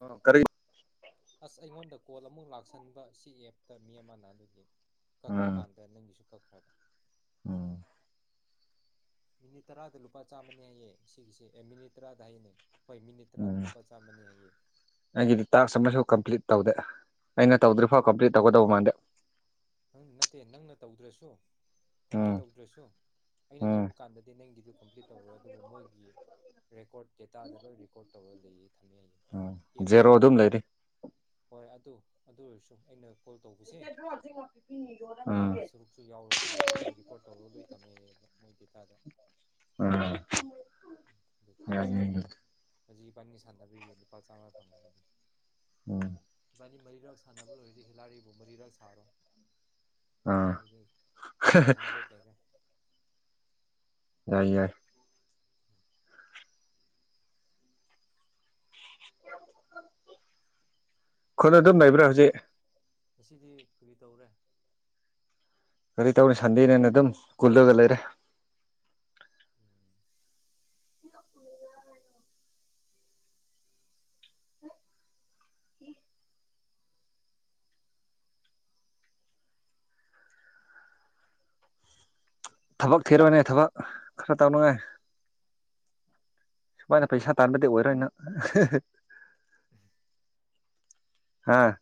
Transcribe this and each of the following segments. ꯑ ꯀꯔꯤ ꯑꯁ ꯑꯩꯉꯣꯟꯗ ꯀꯣꯜ ꯑꯃꯨꯛ ꯂꯥꯛꯁꯟꯕ ꯁꯤ ꯑꯦꯞꯇ ꯃꯤ ꯑꯃꯅ ꯑꯗꯨꯒꯤ ꯀꯛꯄ ꯎꯝ ꯀꯥꯟꯗ ꯅꯪꯒꯤꯁꯨ ꯀꯛ [inaudible] ꯎꯝ ꯃꯤꯅꯤꯠ ꯇꯔꯥꯗ ꯂꯨꯄꯥ ꯆꯥꯝꯃꯅꯤ ꯍꯥꯏꯌꯦ ꯁꯤꯒꯤꯁꯦ ꯑꯦ ꯃꯤꯅꯤ ꯇꯔꯥꯗ ꯍꯥꯏꯅꯦ ꯍꯣꯏ ꯃꯤꯅꯤꯠ ꯇꯔꯥꯗ ꯎꯝ ꯂꯨꯄꯥ ꯆꯥꯝꯃꯅꯤ ꯍꯥꯏꯌꯦ ꯑꯩꯒꯤꯗꯤ ꯇꯥꯛꯁ ꯑꯃꯁꯨ ꯀꯝꯄꯂꯤꯠ ꯇꯧꯗꯦ ꯑꯩꯅ ꯇꯧꯗ꯭ꯔꯤꯐꯥꯎ ꯑꯗꯣ ꯀꯝꯄ꯭ꯂꯤꯠ ꯇꯧꯒꯗꯧꯕ ꯃꯥꯟꯗꯦ ꯅꯪ ꯅꯠꯇꯦ ꯅꯪꯅ ꯇꯧꯗ꯭ꯔꯁꯨ ꯀꯝꯄ꯭ꯂꯤꯠ ꯎꯝ ꯇꯧꯗ꯭ꯔꯁꯨ ꯑꯩꯅ ꯎꯝ ꯇꯧꯕ ꯀꯥꯟꯗꯗꯤ ꯅꯪꯒꯤꯗꯨ ꯀꯝꯄ꯭ꯂꯤꯠ ꯇꯧꯈ꯭ꯔꯦ ꯑꯗꯨꯕꯨ ꯃꯣꯏꯒꯤ ꯔꯦꯀꯣꯔꯠ ꯗꯇꯥ ꯂꯣꯏ ꯔꯦꯀꯣꯔꯠ ꯇꯧꯔ ꯂꯩ ꯎꯝ ꯖꯦꯔꯣ ꯑꯗꯨꯝ ꯂꯩꯔꯤ ꯍꯣꯏ ꯑꯗꯨ ꯑꯗꯨ ꯑꯣꯏꯔꯁꯨ ꯑꯩꯅ ꯀꯣꯜ ꯇꯧꯕꯁꯦ ꯎꯝ ꯅꯪꯒꯤ ꯁꯔꯨꯛꯁꯨ ꯌꯥꯎꯔꯕꯅꯦꯕ ꯃꯣꯏ ꯔꯦꯀꯣꯔꯠ ꯇꯧꯔꯒ ꯂꯣꯏ ꯊꯝꯃꯦꯌꯦ ꯃꯣꯏ ꯗꯦꯇꯥꯗ ꯑꯗꯨ ꯌꯥ ꯐꯪꯒꯅꯤ ꯏꯕꯥꯅꯤ ꯁꯥꯟꯅꯕꯤꯒꯤ ꯂꯨꯄꯥ ꯆꯥꯝꯃꯥ ꯐꯪꯉ ꯑꯗꯨꯗꯤ ꯎꯝ ꯅꯤ ꯃꯔꯤꯔꯛ ꯁꯥꯟꯅꯕ ꯂꯣꯏꯔꯗꯤ ꯍꯤꯂꯥꯔꯤꯕꯨ ꯃꯔꯤꯔꯛ ꯁꯥꯔꯣ ꯑꯥ ꯑꯗꯨꯗꯤ ꯑꯩꯠ ꯍꯟꯗ꯭ꯔꯦꯠ ꯂꯩꯔꯦ ꯌꯥꯏ ꯌꯥꯏ [inaudible] ꯈꯨꯟ ꯑꯗꯨꯝ ꯂꯩꯕ꯭ꯔꯥ ꯍꯧꯖꯤꯛ ꯑꯁꯤꯗꯤ ꯀꯔꯤ ꯇꯧꯔꯦ ꯀꯔꯤ ꯇꯧꯅꯤ ꯁꯟꯗꯦꯅꯤꯅ ꯑꯗꯨꯝ ꯀꯨꯜꯂꯒ ꯂꯩꯔꯦ ꯊꯕꯛ ꯊꯤꯔꯣꯅꯦ ꯊꯕꯛ ꯈꯔ ꯇꯧꯅꯉꯥꯏ ꯁꯨꯃꯥꯏꯅ ꯄꯩꯁꯥ ꯇꯥꯟꯕꯗꯤ ꯑꯣꯏꯔꯣꯏ ꯅꯪ ꯍꯥꯥ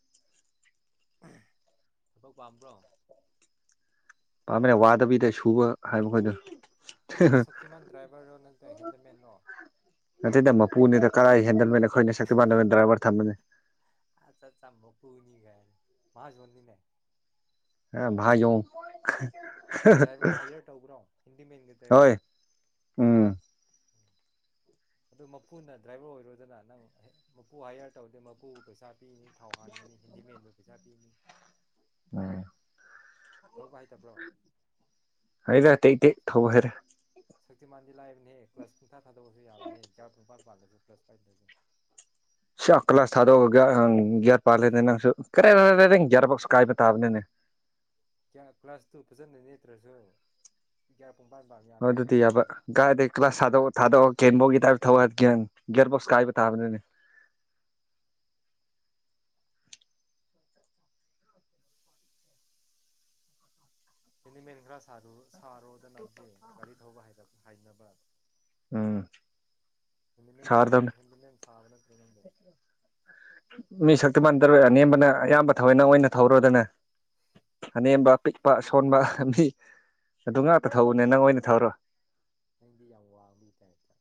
ꯊꯕꯛ ꯄꯥꯝꯕ꯭ꯔꯣ ꯅ ꯋꯥꯗꯕꯤꯗ ꯁꯨꯕ ꯍꯥꯏꯕꯈꯣꯏꯗꯣ ꯅꯪ ꯁꯛꯇꯤꯃꯥꯟ ꯗ꯭ꯔꯥꯏꯚꯔꯔꯣ ꯅꯠꯇ꯭ꯔ ꯍꯦꯟꯗꯃꯦꯟꯔꯣ ꯅꯠꯇꯦꯗ ꯃꯄꯨꯅꯤꯗ ꯀꯔꯥꯏ ꯍꯦꯟꯗꯜꯃꯦꯟ ꯑꯩꯈꯣꯏꯅ ꯁꯛꯇꯤ ꯃꯥꯟꯅꯕ ꯗ꯭ꯔꯥꯏꯕꯔ ꯊꯝꯕꯅꯤ [unintelligible] [unintelligible] [unintelligible] ꯃꯍꯥꯖꯣꯟꯅꯤꯅꯦ ꯑ ꯥꯏꯖꯧ ꯗ꯭ꯔꯥꯏꯚꯔ ꯍꯥꯏꯌꯔ ꯇꯧꯕ꯭ꯔꯣ ꯍꯤꯟꯗꯤꯃꯦꯟꯒꯤ ꯍꯣꯏ ꯗ꯭ꯔꯥꯏꯚꯔ ꯎꯝ ꯑꯗꯨ ꯃꯄꯨꯅ ꯗ꯭ꯔꯥꯏꯚꯔ ꯑꯣꯏꯔꯣꯗꯅ ꯅꯪ ꯃꯄꯨ ꯍꯥꯏꯌꯔ ꯇꯧꯔꯗꯤꯦ ꯃꯄꯨ ꯄꯩꯁꯥ ꯄꯤꯅꯤ ꯊꯥꯎ ꯍꯥꯟꯒꯅꯤ ꯍꯦꯟꯗꯤꯃꯦꯟꯗꯨ ꯄꯖꯥꯕꯤꯅꯤ ꯎ ꯍꯩꯇꯕ꯭ꯔꯣ ꯑꯩꯗ ꯇꯩꯇ [unintelligible] ꯊꯧꯍꯔꯦ ꯁꯛꯇꯤꯃꯥꯟꯗꯤ ꯂꯍꯥꯏꯕꯅꯤ ꯍ ꯀ ꯀ꯭ꯂꯥꯁ ꯄꯥ ꯊꯗꯕꯁꯨ ꯌꯥꯝꯅꯤ ꯍꯟꯖꯥꯛ ꯄꯨꯡꯄꯥ ꯄꯥꯂꯁꯨ ꯄ꯭ꯂ ꯐꯥꯏꯚ ꯊꯖꯟ ꯁ ꯀ ꯀ꯭ꯂꯥꯁ ꯊꯥꯗꯣꯛꯑꯒ ꯒ꯭ꯌꯥꯔ ꯄꯥꯜꯂꯦꯅꯦ ꯅꯪꯁꯨ ꯀ ꯅꯪ ꯒ꯭ꯌꯥꯔ ꯀꯥꯏꯕ ꯇꯥꯕꯅꯤꯅꯦ ꯀ꯭ꯂꯥꯁ ꯇꯨ ꯐꯖꯅ ꯅꯦꯠꯇ꯭ꯔꯁꯨ ꯄꯨꯡꯄꯥꯟ ꯄꯥꯟꯕ ꯌꯥꯕꯅꯤ ꯑꯗꯨꯗꯤ ꯌꯥꯕ ꯁꯛꯇꯤꯃꯥꯟꯗꯤ ꯥꯏꯗꯦ ꯀ꯭ꯂꯥꯁ ꯊꯥꯗ ꯊꯥꯗ [unintelligible] ꯊꯋꯥꯏ ꯒ꯭ꯌꯥꯟ ꯒ꯭ꯌꯥꯔꯕꯣꯛꯁ ꯀꯥꯏꯕ ꯇꯥꯕꯅꯤꯅꯦ ꯍꯦꯟꯗꯤꯃꯦꯟ ꯈꯔꯥ ꯁꯔꯣ ꯁꯔꯣꯗ ꯅ ꯒꯥꯔꯤ ꯊꯧꯕ ꯍꯥꯟꯅ ꯍꯥꯏꯅꯕ ꯎꯝ ꯍꯦꯟꯗꯃꯦꯟ ꯁꯥꯔꯗꯕꯅꯦ ꯍꯦꯟꯗꯃꯦꯟ ꯁꯥꯕꯅꯦ ꯃꯤ ꯁꯛꯇꯨꯃꯥꯟ ꯇꯔꯣꯏ ꯑꯅꯦꯝꯕꯅ ꯑꯌꯥꯝꯕ ꯊꯑꯣꯏꯅ ꯑꯣꯏꯅ ꯊꯧꯔꯣꯗꯅ ꯑꯅꯦꯝꯕ ꯄꯤꯛꯄ ꯑꯁꯣꯟꯕ ꯃꯤ ꯑꯗꯨ ꯉꯥꯛꯇ ꯊꯧꯕꯅꯦ ꯅꯪ ꯑꯣꯏꯅ ꯊꯧꯔꯣ ꯅꯪꯗꯤ ꯌꯥꯝ ꯋꯥꯡꯕꯩ ꯇꯞꯇꯥ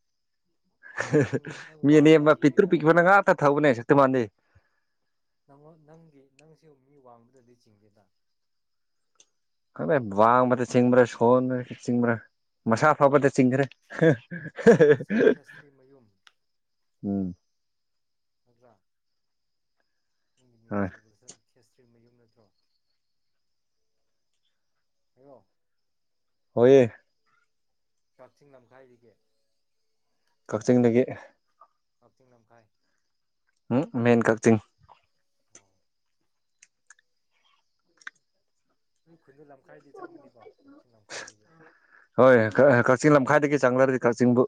ꯅꯪ ꯅꯪ ꯃꯤ ꯋꯥꯡꯕꯗꯤ ꯑꯅꯦꯝꯕ ꯄꯤꯛꯇ꯭ꯔꯨ ꯆꯤꯡꯗꯦꯗ ꯄꯤꯛꯄꯅ ꯉꯥꯛꯇ ꯊꯧꯕꯅꯦ ꯁꯛꯇꯤꯃꯥꯟꯗꯤ ꯅꯉ ꯅꯪꯒꯤ ꯅꯪꯁꯤ ꯃꯤ ꯋꯥꯡꯕ ꯗꯤꯁꯤꯡꯗ [unintelligible] [unintelligible] [unintelligible] [unintelligible] ꯒꯥꯕꯗ ꯆꯤꯡꯒꯔꯦ ꯋꯤꯜꯁꯟ ꯈꯦꯁꯇ꯭ꯔꯤ ꯃꯌꯨꯝ ꯎꯝ ꯍꯣꯏ [unintelligible] ꯍꯣ [inaudible] ꯍꯣꯏꯦ ꯀꯛꯆꯤꯡ ꯂꯝꯈꯥꯏꯗꯒꯤ ꯀꯛꯆꯤꯡ ꯗꯒꯤ ꯀꯛꯆꯤꯡ ꯂꯝꯈꯥꯏ ꯎꯝ ꯃꯦꯟ ꯀꯛꯆꯤꯡ ꯑꯣ ꯎ [inaudible] ꯈꯨꯗ ꯂꯝꯈꯥꯏꯗꯤ ꯆꯪꯕꯅꯤꯀꯣ ꯀꯛꯆꯤꯡ ꯂꯝꯈꯥꯏꯗꯒꯤ [inaudible] ꯆꯪꯗꯔ꯭ꯗꯤ ꯀꯛꯆꯤꯡꯕꯨ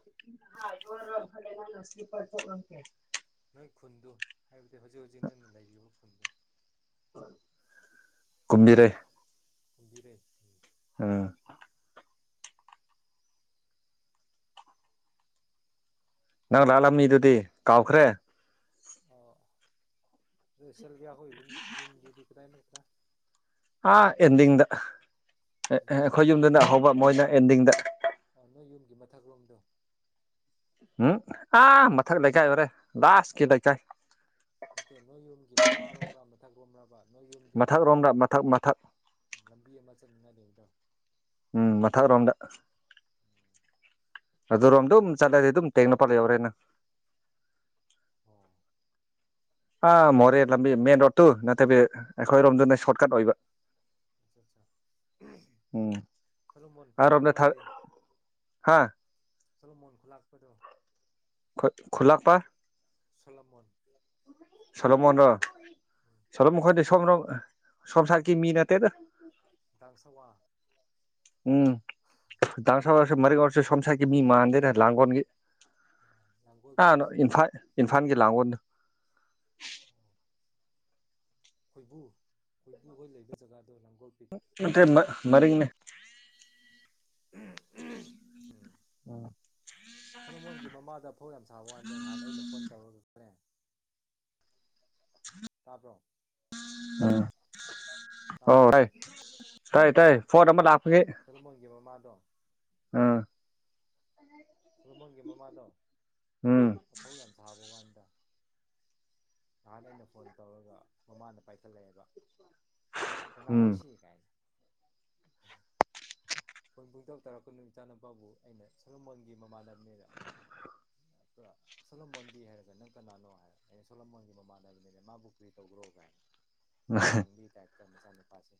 [inaudible] ꯅꯣꯏ ꯈꯨꯟꯗꯨ ꯍꯥꯏꯕꯗꯤ ꯍꯧꯖꯤꯛ ꯍꯧꯖꯤꯛ ꯅꯪꯅ ꯂꯩꯔꯤꯕ ꯈꯨꯟꯗ ꯀꯣꯝꯕꯤꯔꯩ [inaudible] ꯎꯝ ꯅꯪ ꯂꯥꯛꯂꯝꯃꯤꯗꯨꯗꯤ ꯀꯥꯎꯈ꯭ꯔꯦ [unintelligible] [inaudible] [unintelligible] ꯑꯥ ꯑꯦꯟꯗꯤꯡꯗ ꯑꯦ ꯑꯦ ꯌꯨꯝꯗꯤꯡꯗ ꯑꯩꯈꯣꯏ ꯌꯨꯝꯗꯨꯅ ꯍꯧꯕ ꯃꯣꯏꯅ ꯑꯦꯟꯗꯤꯡꯗ ꯑꯣ ꯅꯣꯏ ꯌꯨꯝꯒꯤ [unintelligible] ꯎꯝ ꯑꯥ ꯃꯊꯛ ꯂꯩꯀꯥꯏ ꯑꯣꯏꯔꯦ ꯂꯥꯁꯀꯤ ꯂꯩꯀꯥꯏ ꯅꯠꯇꯦ ꯅꯣꯏ ꯌꯨꯝꯒꯤ ꯃꯈꯥꯔꯣꯝꯗ ꯃꯊꯛ [unintelligible] [inaudible] ꯃꯊꯛ ꯔꯣꯝꯗ ꯃꯊꯛ ꯃꯊꯛ [inaudible] ꯎꯝ ꯃꯊꯛ ꯔꯣꯝꯗ ꯑꯗꯨꯔꯣꯝ ꯑꯗꯨꯝ ꯆꯠꯂꯗꯤ ꯑꯗꯨꯝ ꯇꯦꯡꯅꯧꯄꯜ ꯌꯧꯔꯦ ꯅꯪ ꯑꯣ ꯑꯥ ꯃꯣꯔꯦ ꯂꯝꯕꯤ ꯃꯦꯟ ꯔꯣꯗꯇꯨ ꯅꯠꯇꯕꯤ ꯑꯩꯈꯣꯏꯔꯣꯝꯗꯨꯅ ꯁꯣꯔꯠꯀꯠ ꯑꯣꯏꯕ ꯎꯝ ꯊꯂꯨꯃꯣꯟ ꯑꯥꯔꯣꯝꯗ ꯊꯥ ꯈꯨꯜꯂꯛꯄꯗꯤ ꯍꯥ ꯁꯂꯃꯣꯟ ꯈꯨꯂꯥꯛꯄꯗꯣ ꯈ ꯈꯣꯂꯛꯄꯥ ꯁꯣꯂꯃꯣꯟ ꯁꯣꯂꯣꯃꯣꯟ ꯔꯣ ꯁꯣꯂꯣꯃꯟ ꯈꯗꯤ ꯁꯣꯝꯅ ꯁꯣꯝ ꯁꯥꯔꯀꯤ ꯃꯤ ꯅꯠꯇꯦꯗ [unintelligible] ꯎꯝ ꯗꯁ ꯃꯔꯒꯔꯁꯦ ꯁꯁꯥꯒꯤ ꯃꯤ ꯃꯥꯗꯦꯔ ꯂꯥꯒꯣꯟꯒꯦ ꯂꯥꯡꯒꯣꯜ ꯄꯤꯛ ꯑꯅ ꯏꯝꯐꯥꯟ ꯏꯝꯐꯥꯟꯒꯤ ꯂꯥꯡꯒꯣꯟꯗꯣ ꯈꯣꯏꯕꯨ ꯈꯣꯏꯕꯨ ꯍꯣꯏ ꯂꯩꯕ ꯖꯒꯥ ꯑꯇ ꯃꯔꯔꯤꯡꯅꯦ ꯎꯝ ꯁꯣꯂꯃꯣꯟꯒꯤ ꯃꯃꯥꯗ ꯐꯧ ꯌꯥꯝ ꯁꯥꯕ ꯋꯥꯥꯟꯗ ꯉꯍꯥꯟ ꯑꯩꯅ ꯐꯣꯟ ꯇꯧꯔꯒ ꯐꯔꯦ ꯇꯥꯕꯔꯣ ꯎ ꯑꯣ ꯇꯥꯕ꯭ꯔꯣ ꯇꯥꯏ ꯇꯥꯏ ꯇꯥꯏ ꯐꯣꯟ ꯑꯃꯥ ꯂꯥꯛ ꯁꯂꯨꯃꯣꯟꯒꯤ ꯃꯃꯥꯗꯣ ꯑꯥ ꯁꯜꯃꯣꯟꯒꯤ ꯃꯃꯥꯗꯣ ꯎꯝ ꯑꯐꯧ ꯌꯥꯝ ꯁꯥꯕ ꯋꯥꯅꯤ ꯅꯍꯥꯟ ꯑꯩꯅ ꯐꯣꯟ ꯇꯧꯔꯒ ꯃꯃꯥꯅ ꯄꯥꯏꯈꯠꯂꯛꯑꯦꯕ ꯎꯝ ꯀꯅꯥꯔꯣꯁꯤ ꯀꯥꯏꯅ ꯑꯩꯣꯏ ꯄꯨꯡ ꯇꯔ ꯇꯥꯔꯛꯄ ꯅꯨꯃꯤꯗꯥ ꯅꯨꯨꯄꯥꯕꯨ ꯑꯩꯅ ꯁꯣꯂꯃꯣꯟꯒꯤ ꯃꯃꯥꯟꯅꯕꯅꯤꯗ ꯁꯣꯂꯃꯣꯟꯗꯤ ꯍꯥꯏꯔꯒ ꯅꯪ ꯀꯅꯥꯅꯣ ꯍꯥꯏꯔ ꯑꯩꯅ ꯁꯣꯂꯃꯣꯟꯒꯤ ꯃꯃꯥꯟꯅꯕꯅꯤꯅ ꯃꯥꯕꯨ ꯀꯨꯗꯤ ꯇꯧꯗ꯭ꯔꯣ ꯀꯥꯏꯅ ꯎ ꯃꯁꯨꯄꯥꯦ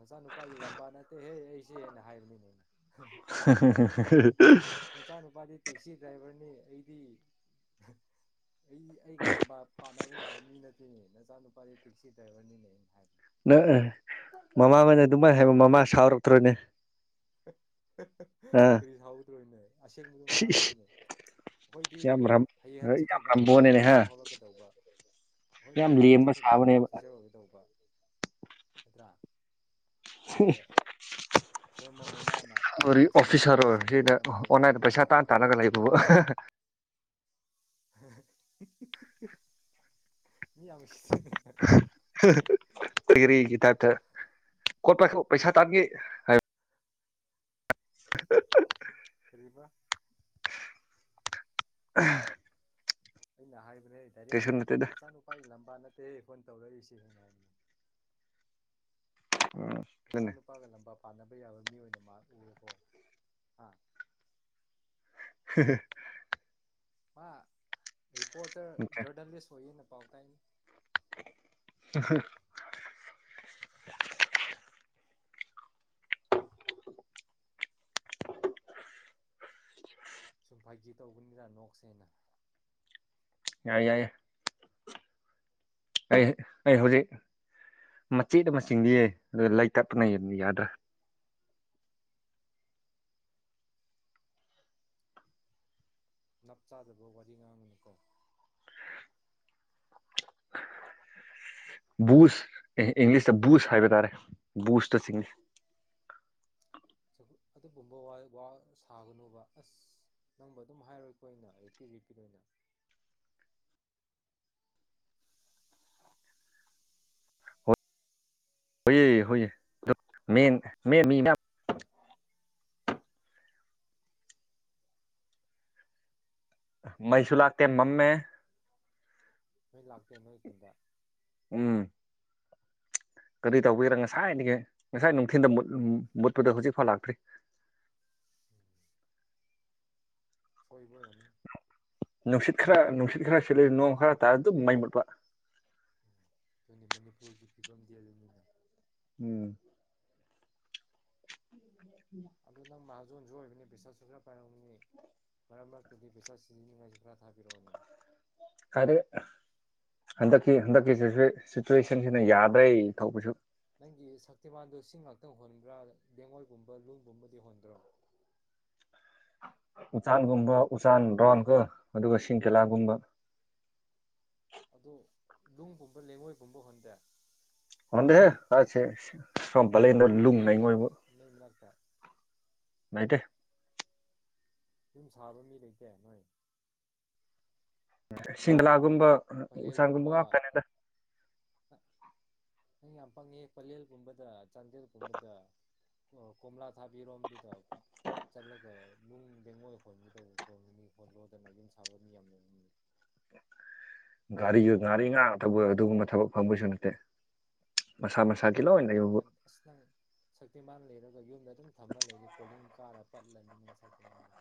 ꯃꯁꯅꯨꯄꯥꯒꯤ ꯂꯕꯥ ꯅ ꯍꯦ [unintelligible] [inaudible] ꯅꯆꯥꯅꯨꯄꯥꯗꯤ ꯇꯦꯛꯁꯤ ꯗ꯭ꯔꯥꯏꯚꯔꯅꯤ ꯑꯩꯗꯤ ꯑꯩ ꯑꯩꯒ ꯂꯝꯕꯥ ꯄꯥꯅꯕ ꯌꯥꯕ ꯃꯤ ꯅꯠꯇꯦꯅꯦꯅ ꯇꯦꯛꯁꯤ ꯗ꯭ꯔꯥꯏꯚꯔꯅꯤ ꯍꯥꯏ ꯅ ꯃꯃꯥꯅ ꯑꯗꯨꯝꯃꯥꯏꯅ ꯍꯥꯏꯕ ꯃꯃꯥ ꯁꯥꯎꯔꯛꯇ꯭ꯔꯣ ꯅꯦ [unintelligible] ꯐꯔꯤ ꯁꯥꯥꯎꯗ꯭ꯔꯣꯣꯏꯅ ꯑꯁꯦꯡꯕꯗꯨꯣ ꯉꯥꯡꯕꯅꯤꯅꯦ ꯏꯁ ꯑꯩꯈꯣꯏꯗꯤ ꯌꯥꯝ ꯔꯝ ꯍꯩꯡꯍꯟꯁꯤ ꯈꯛ ꯌꯥꯝ ꯉꯥꯏꯔꯦ ꯌꯨ ꯄꯤ ꯔꯝꯕꯣꯅꯤꯅꯦ ꯑꯦꯁ ꯍꯥ ꯁꯤ ꯐꯥꯎꯔꯛꯀꯗꯧꯕ ꯑꯩꯈꯣꯏꯗꯤ ꯌꯥꯝ ꯍꯌꯦꯡꯍꯟꯁꯤ ꯂꯦꯝꯕ ꯈꯛ ꯉꯥꯏꯔꯦ ꯁꯥꯕꯅꯦꯕ ꯑꯣꯐꯤꯁꯔ ꯑꯣꯏꯒꯗꯧꯕ ꯅꯠꯇ꯭ꯔꯥ [inaudible] ꯑꯗꯣ ꯁꯣꯝꯕ ꯃꯃꯥꯅ ꯑꯁ [unintelligible] ꯃꯆꯥꯅꯨꯄꯥ ꯑꯣꯐꯤꯁꯥꯔ ꯑꯣꯏ ꯇꯦꯛꯁꯤ ꯁꯤꯗ ꯗ꯭ꯔꯥꯏꯚꯔ ꯑꯃ ꯑꯣꯏꯅ ꯑꯣꯟꯂꯥꯏꯟꯗ ꯀꯣꯏꯔꯝ ꯄꯩꯁꯥ ꯁꯥꯕ ꯇꯥꯅ ꯋꯥꯅꯤ ꯇꯥꯅꯒ ꯂꯩꯕ [unintelligible] ꯃꯤ ꯑ ꯍ ꯐꯔꯤ ꯊꯥꯛ ꯇ ꯀꯣꯠ ꯄꯥꯏꯈꯣ ꯄꯩꯁꯥ ꯇꯥꯒꯦ ꯍꯥꯏ ꯀ ꯔꯤꯕꯥ ꯎꯝ [inaudible] ꯑꯩꯅ ꯍꯥꯏ ꯅ ꯗꯥꯌꯔꯦꯛ ꯅꯆꯥꯅꯨꯄꯥꯒꯤ ꯂꯝꯕꯥ ꯅꯠ ꯑꯦ ꯐꯣꯟ ꯇꯧꯅꯔꯤꯁꯤꯅꯤ ꯑꯩꯅ ꯍꯥꯏꯗꯤ ꯎꯝ ꯑꯗꯨꯅꯦ ꯃꯆꯥꯅꯨꯄꯥꯒ ꯂꯝꯕ ꯄ ꯄꯥꯅꯕ ꯌꯥꯕ ꯃꯤ ꯃꯜ ꯑꯣꯏꯅ ꯎꯔꯕꯣ ꯍꯥ [inaudible] ꯑꯦ [inaudible] ꯃꯥ ꯔꯤꯄꯣꯇꯔ ꯖꯔꯗꯥꯜꯂꯤꯁꯠ ꯑꯣꯏꯌꯦꯅ ꯄꯥꯎ ꯇꯥꯏꯏꯅꯤ [inaudible] ꯎ [inaudible] ꯁꯨꯝꯝ ꯐꯥꯒꯤ ꯇꯧꯕꯅꯤꯗ ꯅꯣꯛꯁꯦꯅ ꯌꯥꯏ ꯌꯥꯏ ꯌꯥꯏ ꯑꯩ ꯑꯩ ꯍꯧꯖꯤꯛ ꯃꯆꯦꯠ ꯑꯃ ꯆꯤꯡꯗꯤꯌꯦ ꯑꯗꯨ ꯂꯩ ꯇꯞꯄꯅ ꯌꯥꯗ꯭ꯔꯥ ꯅꯞ ꯆꯥꯗꯕ ꯋꯥꯔꯤ ꯉꯥꯡꯒꯅꯨꯀꯣ [unintelligible] ꯕꯨꯁ ꯏꯪꯂꯤꯁꯇ ꯕꯨꯁ ꯍꯥꯏꯕ ꯇꯥꯔꯦ ꯕꯨꯁꯇ ꯆꯤꯡꯏ ꯑꯗꯨꯒꯨꯝꯕ ꯋꯥ ꯋꯥ ꯁꯥꯒꯅꯨꯕ ꯑꯁ ꯅꯪꯕ ꯑꯗꯨꯝ ꯍꯥꯏꯔꯣꯏꯀꯣ ꯑꯩꯏꯅ ꯔꯤꯄꯤꯠ ꯔꯤꯄꯤꯠ ꯑꯣꯏꯅ ꯍꯣꯏꯌꯦ ꯍꯣꯏꯌꯦ [inaudible] ꯃꯩꯁꯨ ꯂꯥꯛꯇꯦ ꯃꯝꯃꯦ ꯅꯣꯏ ꯂꯥꯛꯇꯦ ꯅꯣꯏ ꯈꯨꯟꯗ ꯎꯝ ꯀꯔꯤ ꯇꯧꯒꯦꯔꯥ ꯀꯩ ꯉꯁꯥꯏꯗꯒꯤ ꯉꯁꯥꯏ ꯅꯨꯡꯊꯤꯟꯗ ꯎꯝ ꯃꯨꯠꯄꯗꯨ ꯍꯧꯖꯤꯛꯐꯥꯎ ꯂꯥꯛꯇ꯭ꯔꯤ ꯁꯣꯏꯕꯣꯏ ꯑꯣꯏꯔꯝ [unintelligible] ꯅꯨꯡꯁꯤꯠ ꯈꯔ ꯅꯨꯡꯁꯤꯠ ꯈꯔ ꯁꯤꯠꯂ ꯅꯣꯡ ꯈꯔ ꯇꯥꯔ ꯑꯗꯨꯝ ꯃꯩ ꯃꯨꯠꯄ ꯑꯗꯨꯅꯤ ꯃꯅꯤꯄꯨꯔꯒꯤ ꯐꯤꯕꯝꯗꯤ ꯑꯗꯨꯅꯤꯅ ꯎꯝ ꯎ ꯅ ꯃꯍꯥꯖꯣꯟꯁꯨ ꯑꯣꯏꯕꯅꯤ ꯄꯩꯁꯥꯁꯨ ꯈꯔ ꯄꯥꯏꯔꯝꯅꯤ ꯃꯔꯛ ꯃꯔꯛꯇꯗꯤ ꯄꯩꯁꯥ ꯁꯤꯖꯤꯅꯤꯡꯉꯥꯏꯁꯨ ꯈꯔ ꯊꯥꯕꯤꯔꯛꯑꯣꯅꯦ [inaudible] ꯀꯥꯏꯗꯩꯩ ꯍꯟꯗꯛꯀꯤ ꯍꯟꯗꯛꯀꯤ ꯁꯤꯆꯨꯋꯦ ꯁꯤꯆꯨꯋꯦꯁꯟꯁꯤꯅ ꯌꯥꯗꯔ꯭ꯦ ꯊꯧꯕꯁꯨ ꯅꯪꯒꯤ ꯁꯛꯇꯤꯕꯥꯟꯗ ꯁꯤꯡ ꯉꯥꯛꯇꯥ ꯍꯣꯟꯕ꯭ꯔꯥꯗ ꯂꯦꯡꯉꯣꯏꯒꯨꯝꯕ ꯅꯨꯡꯒꯨꯝꯕꯗꯤ ꯍꯣꯟꯗ꯭ꯔꯣ ꯎꯆꯆꯥꯟꯒꯨꯝꯕ ꯎꯆꯆꯥꯟ ꯕ꯭ꯔꯥꯎꯟꯀ ꯑꯗꯨꯒ ꯁꯤꯡ ꯀꯦꯂꯥꯒꯨꯝꯕ ꯑꯗꯨ ꯅꯨꯡꯒꯨꯝꯕ ꯂꯩꯉꯣꯏꯒꯨꯝꯕ ꯍꯣꯟꯗꯦ ꯍꯣꯟꯗꯦꯍꯦ [inaudible] ꯁꯣꯝ ꯄꯂꯦꯟꯗ ꯇꯨꯔꯦꯟ ꯂꯨꯡ ꯂꯩꯇ꯭ꯔꯥ ꯂꯩꯉꯣꯏꯕꯨ ꯅꯣꯏ ꯅꯣꯏ ꯃꯅꯥꯛꯇ ꯂꯩꯇꯦ ꯌꯨꯝ ꯁꯥꯕ ꯃꯤ ꯂꯩꯇꯦ ꯅꯣꯏ ꯁꯤꯡꯂꯥꯒꯨꯝꯕ ꯄꯂꯦꯜ ꯎꯁꯥꯡꯒꯨꯝꯕ ꯄꯨꯝꯕ ꯉꯥꯛꯇꯅꯦꯗ ꯅꯪ ꯌꯥꯝꯄꯪꯉ ꯄꯂꯦꯜꯒꯨꯝꯕꯗ ꯆꯪꯦ [unintelligible] ꯑꯗꯨ ꯀꯕꯗ ꯀꯣꯝꯂꯥ ꯊꯥꯕꯤꯔꯣꯝꯗꯨꯗ ꯆꯠꯂꯒ ꯅꯨꯡ ꯦꯡꯉꯣꯏ ꯍꯣꯟꯒꯗꯧꯕ ꯈ ꯃꯤ ꯈꯣꯜꯂꯣꯗꯅ ꯌꯨꯝ [unintelligible] ꯁꯥꯕ ꯃꯤ ꯌꯥꯝꯃꯤ ꯒꯥꯔꯤꯒ ꯉꯥꯔꯤ ꯉꯥ ꯇꯧꯕ ꯑꯗꯨꯒꯨꯝꯕ ꯊꯕꯛ ꯐꯪꯕꯒꯤꯁꯨ ꯅꯠꯇꯦ ꯃꯁꯥ ꯃꯁꯥ ꯅꯪ ꯁꯥꯀꯤꯂꯅꯕꯨ ꯀꯟ ꯑꯁ ꯅꯪ ꯁꯛꯇꯤꯃꯥꯟ ꯂꯩꯔꯒ ꯌꯨꯝꯗ ꯑꯗꯨꯝ ꯊꯝꯃ ꯂꯩꯔꯦ ꯀꯣꯂꯤꯡ ꯀꯥꯔ ꯄꯠꯂꯅꯤ ꯁꯛꯇꯤꯃꯥꯟꯗ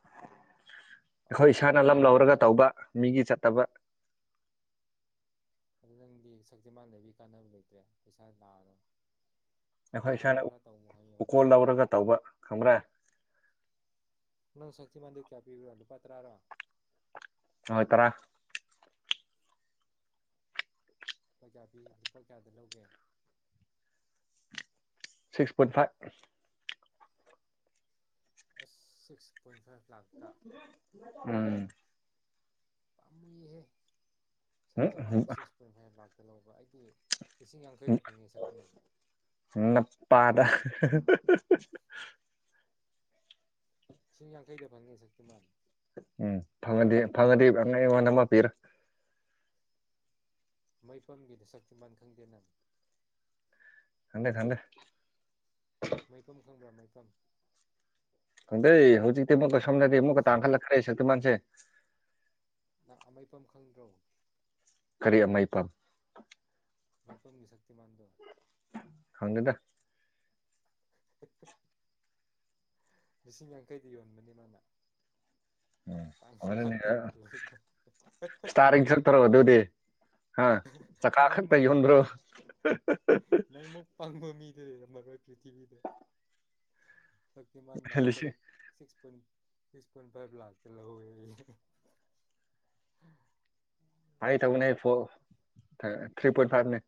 ꯑꯩꯈꯣꯏ ꯏꯁꯥꯅ ꯂꯝ ꯂꯧꯔꯒ ꯇꯧꯕ ꯃꯤꯒꯤ ꯆꯠ ꯇꯕ ꯑꯗꯨ ꯅꯪꯗꯤ ꯁꯛꯇꯤ ꯃꯥꯟꯅꯕꯤ ꯀꯥꯟꯅꯕ ꯂꯩꯇ꯭ꯔꯦ ꯄꯩꯁꯥ ꯂꯥꯛꯑꯅꯣ ꯑꯩꯈꯣꯏ ꯏꯁꯥꯅ ꯎꯀꯣꯜ ꯂꯧꯔꯒ ꯇꯧꯕ ꯈꯪꯕ꯭ꯔꯥ ꯃ ꯆꯄꯤ ꯅꯨꯄꯥꯔꯥꯔꯣ ꯍꯣꯏ ꯇꯔꯥ ꯂꯨꯄꯥ ꯀꯌꯥ ꯄꯤ ꯂꯨꯄꯥ ꯀꯌꯥꯗ ꯂꯧꯒꯦ ꯁꯤꯛꯁ ꯄꯣꯏꯟ ꯐꯥꯏꯚ ꯑ ꯎꯝ ꯄꯝꯍꯦ ꯁꯤꯃꯥꯟꯄ ꯂꯦ ꯍꯧꯕ ꯑꯩ ꯅ ꯄꯥꯗ [inaudible] [unintelligible] ꯀꯈꯩꯗ ꯐꯪꯉꯦ ꯁꯛꯇꯤ ꯃꯥꯜꯜꯂꯤ ꯎꯝ ꯐꯪꯗꯤ ꯐꯪꯗꯤꯤ ꯑꯉ ꯋꯥꯗꯃ ꯄꯤꯔ ꯃꯩꯐꯝꯝꯒꯤꯗꯨ ꯁꯛꯇꯤꯕꯥꯥꯟ ꯈꯪꯗꯦꯅꯅꯤ ꯊꯗꯦ ꯊꯗꯦ ꯃꯐꯝ ꯈꯪꯕ꯭ꯔꯥ ꯃꯩꯐꯝ ꯍꯗꯦ ꯍꯧꯖꯤ ꯀꯦꯃ ꯀ ꯁꯣꯝꯗꯗꯤ ꯑꯃꯛꯀꯥꯟꯈꯠꯂꯛꯈ꯭ꯔꯦ ꯁꯛꯇꯤꯟꯁꯦ ꯅ ꯑꯃꯐꯝꯝ ꯈꯪꯗ꯭ꯔꯣ ꯀꯔꯤ ꯑꯃꯥꯏ ꯄꯝ ꯃꯩꯐꯝꯝꯒꯤ ꯁꯛꯇꯤ ꯃꯥꯟꯗꯣ ꯈꯪꯒꯗ [inaudible] ꯂꯤꯁꯤꯡ ꯌꯥꯡꯈꯩꯗꯤ ꯌꯣꯟꯕꯅꯤ ꯃꯥꯅ ꯅꯪ ꯎꯝ ꯂꯥꯛ ꯇꯔꯨꯛ ꯂꯩꯕ ꯁꯇ ꯆꯠꯇꯔꯣꯗ ꯍꯥ ꯆꯀꯥꯈꯛ ꯅꯪꯃꯨꯛ ꯇꯒꯤꯟꯣ ꯃꯒ ꯄ꯭ꯔꯤꯊꯤꯕꯤꯗ ꯁꯃꯥꯟ ꯂꯟ ꯂꯤꯁꯤꯡ [unintelligible] [unintelligible] [unintelligible] ꯊ꯭ꯔꯤ ꯄꯣꯏꯟ ꯐꯥꯏꯚꯅꯤ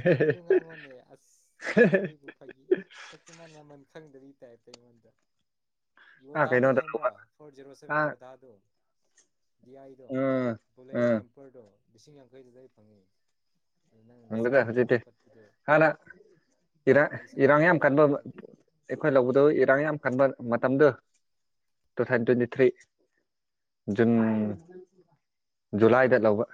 ꯑꯆꯨꯝꯕꯗ ꯉꯥꯡꯉꯣꯅꯦ ꯑꯁ ꯑꯩꯪ ꯑꯩꯕꯨ ꯐꯒꯤ ꯁꯛꯇꯤꯃꯥꯟ ꯃꯃꯜ ꯈꯪꯗꯔꯤ [unintelligible] ꯑꯥ ꯀꯩꯅꯣꯗ ꯇꯧꯕ ꯑꯥ [unintelligible] [unintelligible] [unintelligible] ꯗꯤꯑꯥꯏꯗꯣ ꯎꯝ ꯕꯣꯂꯦꯔꯣ ꯎꯝ ꯀꯦꯝꯄꯔꯗꯣ ꯂꯤꯁꯤꯡ ꯌꯥꯡꯈꯩꯗꯨꯗ ꯑꯩ ꯐꯪꯉꯤ ꯪ ꯍꯪꯂꯒ [unintelligible] ꯍꯧꯖꯤꯛꯇꯤ ꯍꯥꯟꯅ ꯏꯔꯥꯡ ꯅꯪꯒꯤ ꯏꯔꯥꯡ ꯁꯛꯇꯤꯃꯥꯟ ꯌꯥꯝ ꯀꯟꯕ ꯑꯄꯠꯄꯗꯣ ꯑꯩꯈꯣꯏ ꯂꯧꯕꯗ ꯏꯔꯥꯡ ꯌꯥꯝ ꯀꯟꯕ ꯃꯇꯝꯗꯨ two thousand twenty three June ꯖꯨꯂꯥꯏꯗ ꯂꯧꯕ